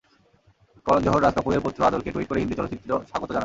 করণ জোহর রাজ কাপুরের পৌত্র আদরকে টুইট করে হিন্দি চলচ্চিত্র স্বাগত জানান।